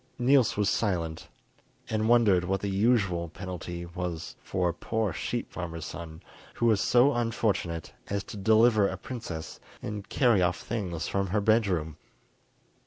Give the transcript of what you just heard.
Niels was silent, and wondered what the usual penalty was for a poor sheep farmer's son who was so unfortunate as to deliver a princess and carry off things from her bed room.